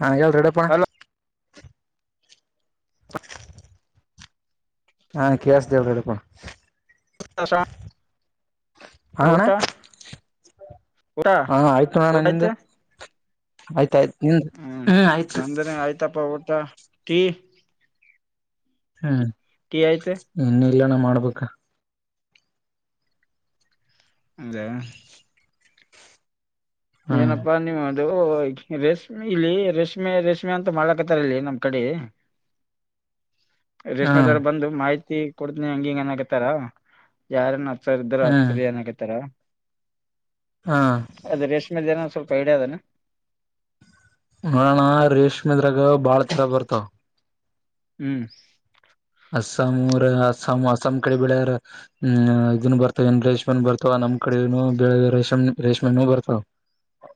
ಹಾ ಹೇಳ ರಾಡೆಪ್ಪ ಅಣ್ಣ ಹಲೋ [inaudible] [unintelligible] ನಾ ಕ್ಯಾಸ್ ದೇವರಡುಪ [unintelligible] ಹಾ ಅಣ್ಣ ಊಟ ಊಟಾ ಊಟಆಯ್ತು ಆಯ್ತಾಯ್ತ್ ಹ್ಮ್ ನಂದ್ರೆ ಆಯ್ತಪ್ಪ ಒಟ್ಟ ಟೀ ಹಾ ಟೀ ಆಯ್ತ ಇಲ್ಲಾನ ಮಾಡ್ಬೇಕ ಅದಾ ಹ್ಮ್ ಏನಪ್ಪಾ ನೀಮ್ಮ್ ರೇಷ್ಮಿ ಇಲ್ಲಿ ರೇಷ್ಮೆ ರೇಷ್ಮೆ ಅಂತ ಮಾಡಕತ್ತಾರ ಇಲ್ಲಿ ನಮ್ ಕಡೆ ರೇಷ್ಮೆ ಹ್ಮ್ ದವಾರ ಬಂದು ಮಾಹಿತಿ ಕೊತನಿ ಹಂಗ ಹಂಗ ಏನ ಆಗತ್ತಾರ ಯಾರನ್ ಸರ್ ಇದದ್ರ ಹ್ಮ್ ರಾತ್ರಿ ಏನಾಗೈತಾರ ಹಾ ರೇಷ್ಮೆದೇನ ಸ್ವಲ್ಪ ಐಡಿಯಾ ಅದೇನ ನೋಡೋಣ ರೇಷ್ಮೆದ್ರಾಗ ಬಾಳ ತರ ಬರ್ತಾವ ಹ್ಮ್ ಅಸ್ಸಾಮರ ಅಸಾಮ್ ಅಸ್ಸಾಂ ಕಡೆ ಬೆಳಾರ ಹ್ಮ್ ಇದನ್ ಬರ್ ಏನ್ ರೇಷ್ಮೆನ್ ಬರ್ತಾವ ನಮ್ ಕಡೆನು ಬೆಳದ ರೇಷ್ಮ ರೇಷ್ಮೆ ಬರ್ತಾವ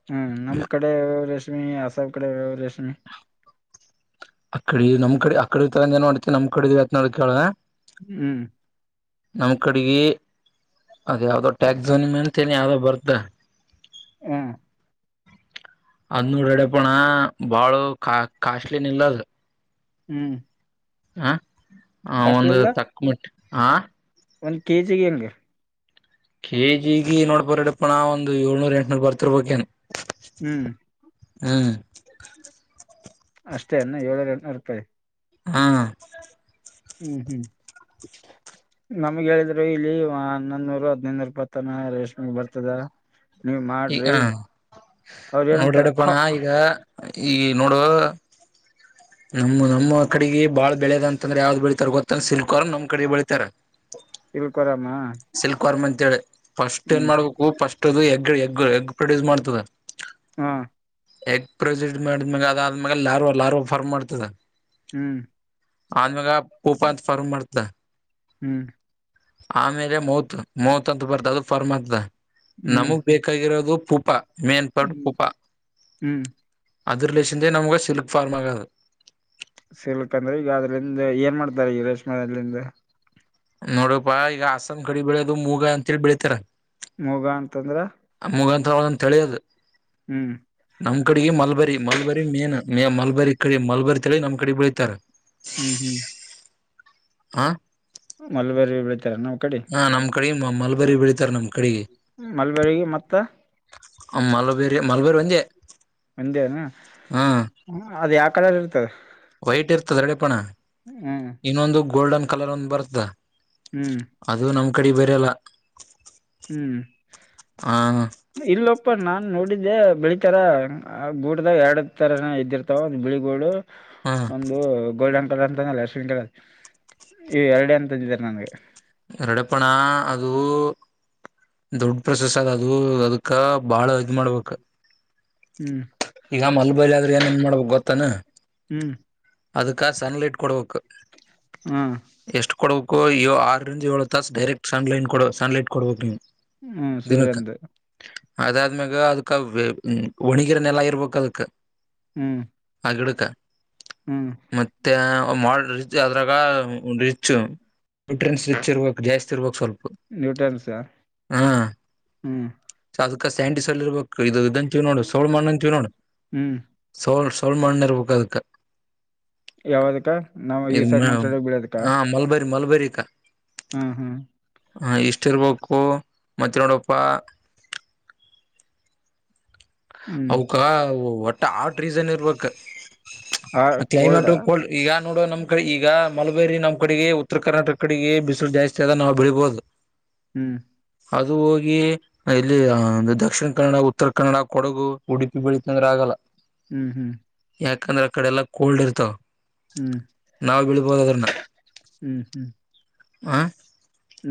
ಹ್ಮ್ ನಮ್ ಕಡೆ ರಶ್ಮಿ ಅಸ ಕಡೇ ರಸ್ಮೆ ಅ ಕಡೆ ನಮ್ ಕಡೆ ಅಡೆ ಜನ್ ಮಾಡ್ತ ನಮ ಕಡಿದೀವಿತ್ ನೋ ಕೇಳೋಣ ಹ್ಮ್ ನಮ್ ಕಡೆಗ ಅದ ಯಾವ್ದೋ ಟ್ಯಾಕ್ಸ್ ನಿಮೆ ಅಂತನೆ ಯಾವ್ದೋ ಬರ್ತ ಹಾ ಅದ್ ನೋಡಡಪಣ ಬಾಳ ಕಾ ಕಾಸ್ಟ್ಲಿ ನಿಲ್ಲಲ್ ಹ್ಮ್ ಹಾ ಹ ಕಾಸ್ಟ್ಲಿ ಒಂದು ಇಲ್ಲ ತಕ್ಕ ಮಿಟ್ಟ ಆಾ ಒಂದ್ ಕೆಜಿಿಗೆ ಹೆಂಗೆ ಕೆ ಜಿಗ ನೋಡ್ಬರಡಪ್ಪ ನಾ ಒಂದು ಏಳ್ನೂರ್ ಎಂಟನೂರ್ ಬರ್ತಿರ್ಬೇಕೇನ್ ಹ್ಮ್ ಹ್ಮ್ ಅಷ್ಟೇ ಅಣ ಏಳರ ಎಂನೂರು ರೂಪಾಯಿ ಹಾ ಹ್ಮ್ ಹ್ಮ್ ನಮ್ಗೆ ಹೇಳಿದ್ರು ಇಲ್ಲಿ ಹನ್ನೊಂದ ನೂರು ಹದ್ನೈದುನೂರುಪ್ಪತ್ತನ ರೇಷ್ಮೆಗ್ ಬರ್ತದ ನೀವ್ ಈ ಮಾಡ್ರಿ ಹ ಅವ್ರ ಏನಂತಾರ ನೋಡ್ರಾಡಪ್ಪಣ ಹ ಈಗ ಈಗ ನೋಡುವ ನಮ್ಮ್ ನಮ್ಮ ಕಡೆಗೆ ಬಾಳ್ ಬೆಳೆಯದ ಅಂತಂದ್ರೆ ಯಾವ್ದ್ ಬೆಳಿತಾರ ಗೊತ್ತಂದ ಸಿಲ್ಕೋರ ನಮ್ ಕಡೆಗೆ ಬೆಳಿತಾರ ತಿಳ್ಕೋರಾಮ ತ್ತಳ ಫಸ್ಟ್ ಏನ್ ಮಾಡ್ಬೇಕು ಫಸ್ಟ್ ಎಗ್ಗ್ ಎಗ್ ಪ್ರೊಡ್ಯೂಸ್ ಮಾಡ್ತದೆ ಹಾ ಎಗ್ ಪ್ರೆಸೆಂಟ್ ಮಾಡಿದ್ಮ್ಯಾಗ ಅದಾದ ಆದ್ಮ್ಯ ಲ ಫರ್್ ಮಾಡ್ತದ ಹ್ಮ್ ಆ ಮಾಗ ಪೂಪ ಅಂತ ಫಾರಂಗ್ ಮಾಡ್ತ ಹ್ಮ್ ಆಮೇಲೆ ಮೌತ್ ಮೌತ್ ಅಂತ ಬರ್ತ ಅದು ಫರ್ಮ್ಗ್ತದ ಹ್ಮ್ ನಮಗ್ ಬೇಕಾಗಿರೋದು ಉಪ್ಪ ಹ್ಮ್ ಮೇಪಟ್ಟಕಪ್ಪ ಹ್ಮ್ ಅದ ರಿಲೇನ್ೇ ನಮ್ಗ ಸಿಲ್ಕ್ ಫಾರ್ ಆಗೋದು [inaudible] ಸಿಲ್ಕಂದ್ರೆ ಈಗ ಅದ್ರಂದ ಏನ್ ಮಾಡ್ತಾರೆ ಈಗ ರೇಷ್ಮ ಅಲ್ಲಿಂದ ನೋಡಪಾ ಈಗ ಹಸನನ್ ಕಡಿ ಬೆಳೆಯೋದು ಮೂಗ ಅಂತೇಳಿ ಬೆಳಿತಾರ ಮೂಗ ಅಂತಂದ್ರ ಮುಗಾಂತರ ಒಂದು ತಿಳಿಯೋದು ಹ್ಮ್ ನಮ್ ಕಡೆಗೆ ಮಲ್ಬರಿ ಮಲ್ಬರಿ ಮೇನು ಮ ಮಲ್ ಮ ಬರಿ ಈ ಕಡೆ ಮಲ್ಬರ್ ತಳಿ ನಮ್ ಕಡೆ ಬೆಳೀತಾರೆ. ಹ್ಮ್ ಹ ಮಲ್ಬೇರಿ ಬೆಳ ನಾವ್ ಕಡೆ ಕಡಿಮೆ ಮ ಮಾಲ್ಬರಿ ಬೆಳಿತಾರೆ ನಮಗೆ. ಮಲ್ಬರ್ಗ ಮತ್ತ ಮಲಬೇರಿ ಮಲಬೇರಿ ಒಜೆ ಒಂದೇನಾ, ಅದ ಯಾ ಕಡೆ ಇರ್ ಮತ್ತು ಹೇಟ್ ಇರ್ತದೆ ರಡಿಪಣ ಹ್ಮ್ ಗೋಲ್ಡನ್ ಕಲರ್ ಒಂದೊಂದು ಬರ್ತದ. ಹ್ಮ್ ಅದು ನಮ ಅ ಕಡೆ ಬರಲ್ಲ. ಹ್ಮ್ ಇಲ್ಲೊಪ್ಪಣ. ನೋಡಿದ್ದೆ ಬೆಳಿತರ ಆ ಗುಡ್ಡದಾಗ ಎರಡ ತರ ಇದ್ದಿರ್ತಾವ, ಒಂದ್ ಬಿಳಿಗೂಡು ಹ ಒಂದು ಗೋಲ್ಡನ್. ಅಂತಲ್ಲ ಅಶವನ್ ಕಳ ಇ ಎರಡು ಅಂತಂದಿದ್ದಾರೆ ನನ್ಗೆ. ಎರಡೆಪಣ ಅದು ದೊಡ್ಡ ಪ್ರೊಸೆಸ್ ಅದ ಅದು ಅದಕ್ಕ ಬಾಳ ಇದು ಮಾಡ್ಬೇಕ. ಹ್ಮ್ ಈಗ ಮಲ್ಬ ಆದ್ರೆ ಏನನ್ ಮಾಡ್ಬೇಕ ಗೊತ್ತಾನ? ಹ್ಮ್ ಅದಕ್ಕ ಸನ್ ಲೈಟ್ ಕೊಡ್ಬೇಕು. ಹಾ ಎಷ್ಟು ಕೊಡ ಕ ಯು ಆರ್ ಜಿ ಒಂದ್ ತಾಸ್ ಡರೆಕ್ಟ್ ಸನ್ ಕೊಡ್ ಸನ್ ಲೈಟ್ ಕೊಡ್ಬೇಕು, ನೀ ಹ್ಮ್ ಸೂರತ್ ಅದಾದ್ಗ ಅದಕ್ ಒಣಿಗಿರನೆೆಲ್ಲಾ ಇರ್ಬೇಕ, ಅದಕ್ ಹ್ಮ್ ಡುಕ ಹ್ಮ್ ಮತ್ತೆ ಮಾಡ್ರಿ ಜಾತ್ರಕಾ ಮುಚ್ಚು ಟ್ರೆನ್ಸ್ ಇರ್ಬೇಕ ಜಾಸ್ತಿರ್ಬು ಸ್ವಲ್ಪ ನ್ಯೂಟನ್ಸ ಹ್ಮ್ ಸೈಂಟಿಸ್ ಅಲ್ಲಿ ಇರ್ಬೇಕು. ಇದಂತಿವ್ ನೋಡು ಸೋಂಡ್ ಮಡಂತೀವ್ ನೋಡು ಹ್ಮ್ ಸೋಂಡ್ ತೌಳ ಮಣ್ಣ ಇರಬೇಕು ಅದಕ್ಕ ಯಾವದಕ್ಕ ನಾವ್ ಈ ಸೈಡ್ ನಮ್ ಸೈಡ್ ಬಿೀಳದಕ ಅಮೇರಿಕ ಹ್ಮ್ ಹ್ಮ್ ಹ ಇಷ್ಟ ಇರ್ಬೇಕು ಮತ್ತೆ ನೋಡಪ್ಪ ಹ್ಮ್ ಅವಕ ಒಟ್ಟ ಆಟ್ ರೀಸನ್ ಇರ್ಬೇಕಕ್ ಆ ಕೋಲ್ಡಾ ಕ್ಲೈಮೇಟ್ ಕೋಲ್ಡ್ ಈಗ ನೋಡ ನಮ ಕಡೆ ಈಗ ಮಲಬೇರಿ ನಮ್ ಕಡೆಗೆ ಉತ್ತರ ಕರ್ನಾಟಕ ಕಡೆಗೆ ಬಿಸಿಲು ಜಾಸ್ತಿ ಆದ ನಾವು ಬೆಳಿಬಹುದು ಹ್ಮ್ ಅದು ಹೋಗಿ ಇಲ್ಲಿ ದಕ್ಷಿಣ ಕನ್ನಡ ಉತ್ತರ ಕನ್ನಡ ಕೊಡಗು ಉಡುಪಿ ಬೆಳೀತ ಅಂದ್ರೆ ಆಗಲ್ಲ ಹ್ಮ್ ಹ್ಮ್ ಯಾಕಂದ್ರೆ ಆ ಕಡೆ ಎಲ್ಲ ಕೋಲ್ಡ್ ಇರ್ತಾವ ಹ್ಮ್ ನಾವು ಬೀಳ್ಬೋದದ್ರನ್ನ ಹ್ಮ್ ಹ್ಮ್ ಆ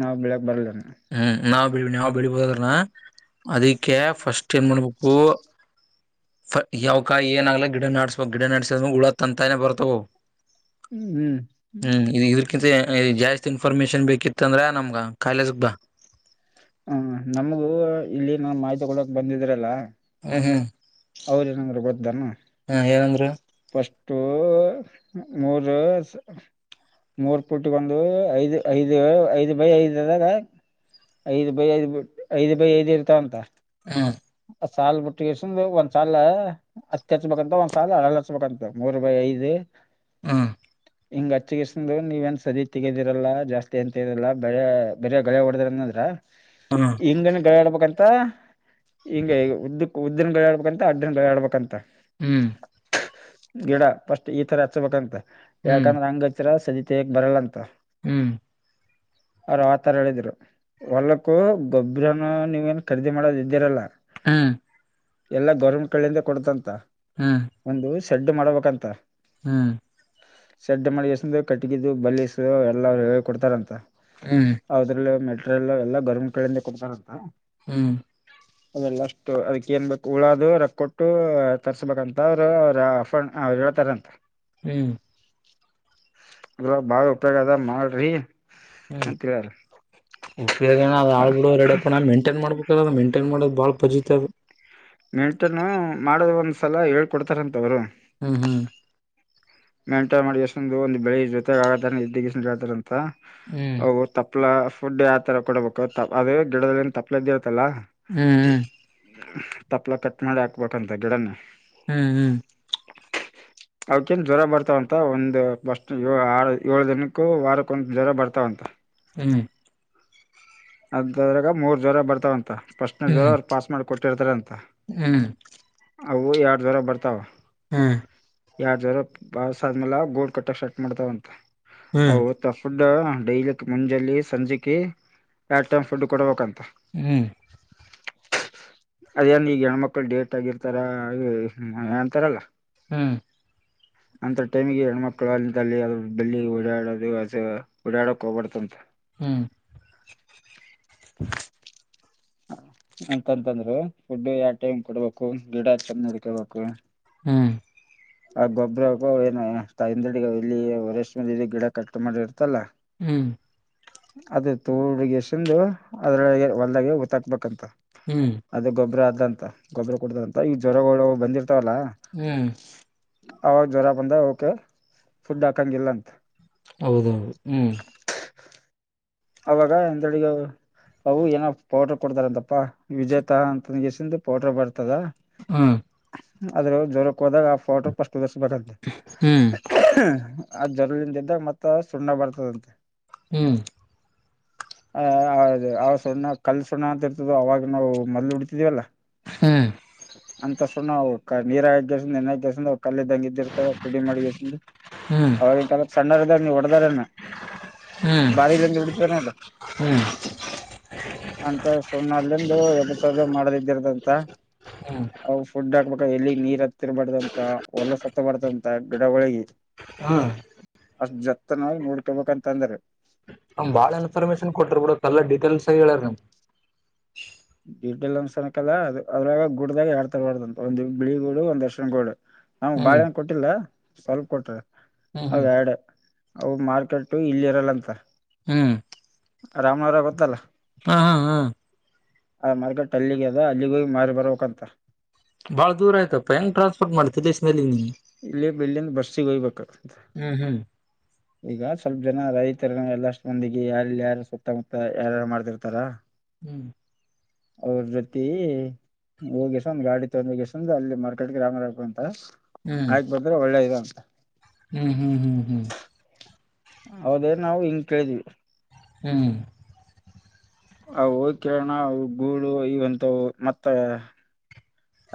ನಾವ್ ಬೇಲಾಕ್ ಬರಲ್ಲ ಹ್ಮ್ ನಾ ನಾವು ಬೆಳಿಬಹದುದ್ರ ಅದಕ್ಕೆ ಫಸ್ಟ್ ಏನ್ ಮಾಡಬೇಕು ಯಾವಕಾಯಿ ಏನಾಗಲಾ ಗಿಡ ನಡಸ್ಬೋ ಗಿಡ ನಾಡಸಿದದ್ರ ಉಳ ತಂತಾನೇ ಬರ್ತಾವವು ಹ್ಮ್ ಇ ಇದ್ರಕಿಂತ ಜಾಸ್ತಿ ಇನ್ಫಾರ್ಮೇಶನ್ ಬೇಕಿತ್ತ ಅಂದ್ರೆ ನಮ್ಗೆ ಕಾಲೇಜಗೆ ಬಾ ಹ ನಮಗೂ ಇಲ್ಲಿ ನಾ ಮಾಹಿತಿ ಕೊೊಳ್ಳಕ್ ಬಂದಿದ್ರಲ್ಲಾ ಹ್ಮ್ ಹ್ಮ್ ಹ್ಮ ಏನಂದ್ರ ಟ್ಟು ಮೂರು ಮೂರ್ ಪುಟ್ಟಗ ಒಂದು ಐದು ಐದು ಐದು ಬೈ ಐದದಾಗ ಐದು ಬೈ ಐದು ಐದ್ ಬೈ ಐದ್ ಇರ್ತಾವ ಅಂತ ಹ್ಮ್ ಸಾಲ ಬಿಟ್ಟಿಗೆಸ ಒಂದ್ ಸಾಲ ಹತ್ತಿ ಹಚ್ಬೇಕಂತ ಒಂದ್ಸಾಲಲ್ ಅಳಲ್ ಹಚ್ಬೇಕಂತ ಮೂರು ಬಾಯಿ ಐದು ಹಾ ಹಿಂಗ ಅಚ್ಚಿಗರ್ಸ ನೀವ ಏನ್ ಸದ ತೆಗದಿರಲ್ಲ ಜಾಸ್ತಿ ಅಂತಲ್ಲ ಬ ಬೇರೆ ಗಳೆ ಹೊಡದಾರಂದಂದ್ರ ಹ್ಮ್ ಹಿಂಗನ ಗಲೆ ಹಡ್ಬೇಕಂತ ಮತ್ತ ಹಿಂ ಈಗ ಉದ್ದು ಉದ್ದಿನಗಳು ಹಾಡಬೇಕಂತ ಅಡ್ಡಿನಗಳು ಆಡ್ಬೇಕಂತ ಹ್ಮ್ ಗಿಡ ಫಸ್ಟ್ ಈ ತರ ಹಚ್ಬೇಕಂತ ಹ್ಮ್ ಯಾಕಂದ್ರೆ ಅಂಗಚರ ಸದಿ ತೆಗೆಕ ಬರಲಂತ ಹ್ಮ್ ಅವ್ರ ಆತರ ಹೇಳಿದ್ರು ಹೊಲ್ಲಕ್ಕೂ ಗೊಬ್ಬರನು ನೀವೇಏನ್ ಖರೀದಿ ಮಾಡೋದ ಇದ್ದಿರಲ್ಲ ಹ್ಮ್ ಎಲ್ಲಾ ಗೌರ್ಮೆಂಟ್ ಕಡೇ ಗಳಿಂದೆ ಕೊಡ್ತಂತ ಒಂದುಷ ಶೆಡ್ ಮಾಡಬೇಕಂತ, ಹ್ಮ್ ಸೆಡ್ ಮಾಡಿ ಎಸ ಕಟ್ಟಗಿದು ಬಲ್ಲಸು ಎಲ್ಲರು ಹ ಕೊಡ್ತಾರಂತ ಹ್ಮ್ ಹ್ಮ್ ಅದ್ರಲ್ಲ ಮೆ ಟ್ರೀಯಲ್ಲ ಎಲ್ಲ ಗೋರ್ಮೆಂಟ್ ಕಡೆಯಿಂದ ಕೊಡ್ತಾರಂತ ಹ್ಮ್ ಲ್ಲಷ್ಟು ಅದಕ್ಕ ಏನ್ ಬು ಉಳದು ರೊಕ್ಕ ಕೊಟ್ಟು ತರ್ಸ್ಬೇಕಂತ ಅವ್ರು ಅವ್ರ ಆಫ ಅವ್ರು ಹೇಳೇಳ್ತಾರಂತ. ಹ್ಮ್ ಅಲ್ಾಗ ಬಾಳ ಉಪಯೋಗ ಅದ ಮಾಡ್ರಿ ಹ್ಮ ಅಂತ ಹೇಳ್ಯಾರ ಉಪಯೋಗ ನ ಅ ಆಾಳ್ ಬಿಡೋ ರೆಡಪ್ಪ ನ ಮೇಂಟೈನ್ ಮಾಡ್ಬೇಕ ಮೆಂಟೈನ್ ಮಾಡ ಬಾ ಪಜಿಿತ ಮೆಂಟೇನ ಮಾಡು ಸಲ ಹೇಳ್ಕೊಡ್ತಾರಂತವ್ರು ಹ್ಮ್ ಹ್ಮ್ ಮೇಂಟೈನ್ ಮಾಡಿ ಎಷ್ಟೊ? ಬೆಳಿಗ್ ಜೊತೆಗ ಇದ ಜಾದರ ಹ್ಮ್ ಅ ತಪ್ಪಲಾ ಫುಡ್ ಯಾವ ತರ ಕೊಡಬೇಕು ಅದು ಗಿಡದಲ್ಲಿ ತಪ್ಲ ಹ್ಮ್ ಹ್ಮ್ ತಪ್ಲ ಕಟ್ ಮಾಡಿ ಹಾಕ್ಬೇಕಂತ ಗಿಡನೇ ಹ್ಮ್ ಹ್ಮ್ ಹೌ ಕೆಂ ಜ್ವರ ಬರ್ತಾವಂತ ಒಂದು ಬಸ್ ಆರ್ ಏಳು ದಿನಕ್ಕೂ ವಾರಕ್ಕೊಂದು ಜ್ವರ ಬರ್ತಾವಂತ. ಹ್ಮ್ ಅದದ್ರಾಗ ಮೂರ್ ಜ್ವರ ಬರ್ತಾವಂತ ಪ್ರಶ್ನೆದ್ವರ ಹ್ಮ್ ಅವ್ರು ಪಾಸ್ ಮಾಡ ಕೊಟ್ಟಿರ್ತಾರ ಅಂತ ಹ್ಮ್ ಅವು ಎರಡು ಜ್ವರ ಬರ್ತಾವ. ಹ್ಮ್ ಎರಡ್ ಜಾವರ ಬಸ್ ಆದ್ಮೇಲೆ ಗೋಡ್ ಕಟ್ಟ ಸ್ಟಾರ್ಟ ಮಾಡತಾವಂತ ಹ್ಮ್ ಹ್ಮ್ ಹೌತ್ತ ಡೈಲಕ್ ಮುಂಜಲ್ಲಿ ಸಂಜೆೆಗೆ ಯ್ಯಾಡ್ ಟೈ್ ಫುಡ್ ಕೊಡಬೇಕಂತ. ಹ್ಮ್ ಅದೇನ್ ಈಗ ಹೆಣ್ಮಕ್ಳು ಡೇಟ್ ಆಗಿರ್ತಾರ ಅಂತಾರಲ್ಲ, ಹ್ಮ್ ಅಂತ ಟೈಮಿಗೆ ಹೆಣ್ಮಕ್ಕಳು ಅಲ್ಲಿಲ್ಲಿ ಬೆಲ್ಲಿಿ ಓಡಾಡದುಸ ಓಡಾಡಕ್ ಹೋಗಬಡತಂತೆ ಹ್ಮ್ ಎಂತಂತಂದ್ರು ಫುಡ್ ಯಾವ ಟೈಮ್ ಕೊಡ್ಬೇಕು ಗಿಡ ಚಂದ ನಡ್ಕೊಬೇಕು ಹಾಂ ಆ ಗೊಬ್ಬ್ರ ಏನು ತಂದಡಿ ಇಲ್ಲಿ ವರೆಷ ಮ ಇ ಗಿಡ ಕಟ್ ಮಾಡಿ ಇರ್ತಲ್ಲಾ ಹ್ಮ್ ಅದ ತೋಡ್ಗಸಂದು ಅದ್ರೊಳಗೆ ಹೊಲ್ದಾಗ ಗಊತ್ತಾಕ್ಬೇಕಂತ ಹ್ಮ್ ಅದ ಗೊಬ್ಬರ ಅಂತ ಗೊಬ್ಬರ ಕೊಡತಾರ ಅಂತ ಈ ಜ್ವರಗಳು ಬಂದಿತ ಹ್ಮ್ ಹೌ ಜರ ಬಂದ ಓಕೆ ಫುಡ್ ಹಾಕಂಗಿಲ್ಲ ಅಂತ ಹೌದೌದು ಹ್ಮ್ ಅವಾಗ ಹಿಂದಗ ಅವು ಏನ ಪೌಡ್ರ ಕೊಡ್ತಾರಂತಪ್ಪಾ ವಿಜೇತಾ ಅಂತ ನಗಸಂದು ಪೌಡ್ರ ಬರ್ತದ ಹ್ಮ್ ಆದ್ರ ಜ್ರಕ್ಕೆ ಹೋದಾಗ ಆ ಫೋಟೋಫಸ್ಟ್ ದಸ ಬಂತ ಹ್ಮ್ ಅದ್ ಜ್ರಲಿಂದ ಇದ್ದಾಗ ಮತ್ತತ್ ಸುಣ್ಣ ಬರ್ತದಂತೆ ಹ್ಮ್ ಹ ಹೌದದು ಅವ ಸಣ್ಣ ಕಲ್ ಸುಣ್ಣ ಅಂತ ಇರ್ತದ ಅವಾಗ ನಾವು ಮೊದ್ಲು ಹೊಡೀತಿದ್ದೇವ ಅಲ್ ಹ್ಮ್ಮ್ ಅಂತ ಸುಣ್ಣವು ಕ ನೀರಾಗ ಹಾಕೇಸಿನ್ ನೆನ್ಯಕೆಸಿಂದ ಕಲ್ಲದಂಗ ಇದ್ದಿರ್ತಾವ ಪುಡಿ ಮಾಡಿಕೆಸಿಂದ. ಹ್ಮ್ ಅವಗಿನ ಕಾಲಕ್ಕ ಸಣ್ಣೂರ್ ಇದ್ದಾಗ್ ನೀವ್ ಹೊಡ್ [unintelligible] ಹ್ಮ್ ಬಾರಿಲಿಂದ ಬಿಡಿತಾರ ನೋಡ್ರ ಹ್ಮ್ ಅಂತ ಸುಣ್ಣ ಅಲ್ಲಿಂದು ಎಬತ್ ಸಾವಿರ ಮಾಡದಿದ್ದಿರದಂತ ಹ್ಮ್ ಅ ಫುಡ್ ಹಾಕ್ಬೇಕು ಎಲ್ಲಿ ನೀರ್ ಹತ್ತಿರಬಾರ್ದಂತಹ ಹೊಲಸ ಹತ್ತ ಬಾರದಂತ್ ಗಿಡಗೊಳಿಗ್ ಇದು ಹಾ ಅಷ್ಟ್ ಜತ್ತನಾಗಿ ನೋಡ್ಕೊಬೇಕಂತ ಅಂದ್ರ ಹ ಬಾಳ ಇನ್ಫಾರ್ಮೇಶನ್ ಕೊಟ್ರಿ ಬಿಡ ಎಲ್ಲಾ ಡಿಟೇಲ್ಸ್ ಹೇಳರಿ ನಿಮ ಡಿ ಲ್ಲಂದ್ ಸನಕಲ್ಲ ಅದು ಅದ್ರಾಗ ಗುಡದಾಗ ಎರಡ್ತರ ಹೊಡ್ದಂತ ಒಂದು ಬಿಳಿ ಗೂಡು ಒಂದ್ ಅರಶಿನ ಗೋಡು ನ್ ಹ್ಮ್ ಬಾಳೆನಾ ಕೊಟ್ಟಿಲ್ಲ ಸ್ವಲ್ಪ ಕೊಟ್ರೆ ಹ್ಮ್ ಅವ ಹ್ಮ್ ಯಾಡ್ ಅವ ಮಾರ್ಕೆಟ್ ಇಲ್ಲಿ ಇರಲ್ಲ ಅಂತ. ಹ್ಮ್ ರಾಮ್ನವರ ಗೊತ್ತಲ್ಲಾ? ಹಾ ಹಾ ಹಾ ಆ ಮಾರ್ಕೆಟ್ ಅಲ್ಲಿಗೆ ಅದ ಅಲ್ಲಿಗೆಗಿ ಮಾರಿ ಬರ್ಬೇಕ್ಂತ. ಬಾಳ ದೂರ ಆಯ್ತಾಪ್ಪಾ ಹೆಂಗ ಟ್ರಾನ್ಸ್ಪೋರ್ಟ್ ಮಾಡ್ತಿ ಇಲ್ಲಿಲಾಸಿ ಅಲಿಗೆ ಇಲ್ಲಿ ಇಲ್ಲಿಂದ ಬಸ್ಸಿಗ್ ಒಯ್ಯಬೇಕ್. ಹ್ಮ್ ಹ್ಮ್ ಈಗ ಸ್ವಲ್ಪ ಜನ ರೈತರ ಎಲ್ಲಷ್ಟ ಮಂದಿಗೆ ಯಾರ ಯಾರು ಸುತ್ತಮುತ್ತ ಯಾರಾರು ಮಾಡ್ತಿರ್ತಾರ! ಹ್ಮ್. ಅವ್ರ ಜೊತಿ ಹೋಗಿಸ ಒಂದ್ ಗಾಡಿ ತೊಂದಗೆಸಂದ ಅಲ್ಲಿ ಮಾರ್ಕೆಟ್ ಗ್ರಾಮರ್ಕು ಅಂತ! ಆಯ್ತು ಹ್ಮ್ ಬದ್ರೆ ಒಳ್ಳೇದದು. ಹ್ಮ್ ಹ್ಮ್ ಹ್ಮ್ ಹ್ಮ್ ಹೌದೇ ನಾವು ಹಿಂಗ ಕೇಳಿದೀವಿ. ಹ್ಮ್ ಅವ ಹೋಗಿ ಕೇಳನ್ [unintelligible]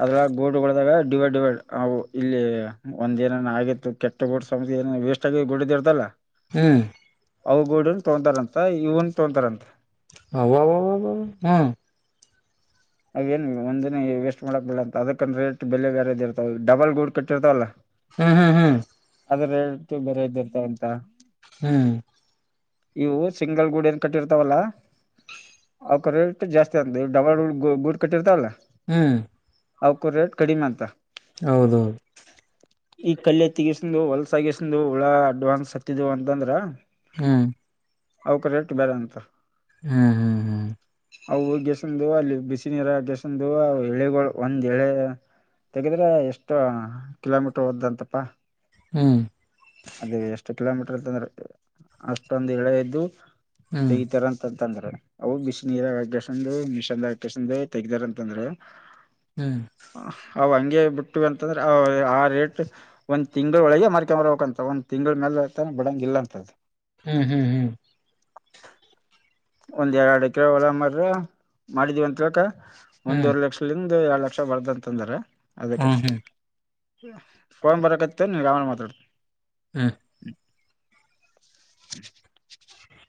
ಅದ್ರಳ ಗೋಡ್ಗಳದಾಗ ಡಿವೈಡ್ ಡಿವೈಡ್ ಅವು ಇಲ್ಲಿ ಒಂದ ಏನರ್ ಆಗಿತ್ತು ಕೆಟ್ಟ ಗೋಡ್ ಏ ವೇಸ್ಟ್ ಆಗ ಗುಡ್ದ ಇರ್ತವಲ್ಲ ಹ್ಮ್ ಅವುಗೂಡನ್ ತೊಂತಾರಂತ ಇವನ್ ತೊಂತಾರಂತ ಹ ವ ವ ವ ಹ್ಮ ಅವೇನ್ ಒಂದ ದಿನ ವೇಸ್ಟ್ ಮಾಡಕ್ ಬಿಿಲ್ಲ ಅಂತ ಅದಕ್ಕ ರೇಟ್ ಬೆಲೆ ಬೇರೆದ ಇರ್ತಾವ ಡಬಲ್ ಗೂಡ್ ಕಟ್ಟಿರ್ತಾವಲ್ಲ ಹ್ಮ್ ಹ್ಮ್ ಹ್ಮ್ ಅದ್ರಳ್ತು ಬೇರೆ ಇದ್ದಿರ್ತ ಅಂತ ಹ್ಮ್ ಇವು ಸಿಂಗಲ್ ಗೂಡ ಏನ್ ಕಟ್ಟಿರ್ತಾವಲ್ಲ ಅವಕ ರೇಟ್ ಜಾಸ್ತಿ ಅಂತ ಡಬಲ್ ಗೂಡ್ ಗ ಗುಡ ಕಟ್ಟಿರ್ತಾವಲ ಹ್ಮ್ ಅವಕು ರೇಟ್ ಕಡಿಮಂತ. ಹೌದೌದು ಈ ಕಲ್ಯತಿಗ. ಹೊಲಸಾಗಸಿಂಧ್ ಹುಳ ಅಡ್ವಾನ್ಸ್ ಹತ್ತಿದವು ಅಂತಂದ್ರ. ಹ್ಮ್ ಅವಕ ರೇಟ್ ಬ್ಯಾರೆ ಅಂತ. ಹ್ಮ್ ಹ್ಮ್ ಅವು ಗೆಷ. [unintelligible] ಬಿಸಿನೀರ ಹಾಕೆಸಿಂದ ಎಳಿಗಳ ಒಂದ್ ಎಳೆ ತೆಗೆದ್ರೆ ಎಷ್ಟ ಕಿಲೋಮೀಟರ್ ಹೋದ್ದಂತಪ್ಪಾ. ಹ್ಮ್ ಅದೇ ಎಷ್ಟ ಕಿಲೋಮೀಟ್ ತಂದ್ರ ಅಷ್ಟೊಂದ ಎಳೆ ಇದ್ದು. ಹ್ಮ್ ತಗಿತಾರಂತ. ತಂದ್ರ ಅವು ಬಿಸನೀರಾಗಕೆಸಿಂಧ್ ಮಿಶ. ಕೇಸಿಂದೇ ತೆಗ್ದಾರ ಅಂತಂದ್ರ. ಹ್ಮ್ ಹ ಅವನ್. ಹಂಗೆ ಬಿಟ್ವಿ ಅಂತಂದ್ರ ಆ ರೇಟ್ ಒಂದ್ ತಿಂಗಳ ಒಳಗೆ ಮಾರ್ಕೆನ್ ಬರ್ಬೇಕಂತ ಒಂದ್ ತಿಂಗಳ ಮ್ಯಾಲ್ ಆತಂದ್ ಬಿಡಂಗ ಇಲ್ಲಂತದ. ಹ್ಮ್ ಹ್ಮ್ ಹ್ಮ್ [inaudible] ಒಂದ್ ಯಾಡ್ ಎಕ್ರೆ ಹೊಲ ಮಾರ್. ಮಾಡಿದೀವ ಅಂತಿಳ್ಕ ಒಂದುವರಿ ಲಕ್ಷಲಿಂದ್. ದ ಎರಡ್ ಲಕ್ಷ ಬರ್ದಂತ ಅಂದರ. ಹಾ ಹ್ಮ್ ಫೋನ್ ಬರಕತ್ತ ನೀನಗ್ ಆಮೇಲ್ ಮಾತಾಡ್ತೀನಿ. ಹ್ಮ [inaudible]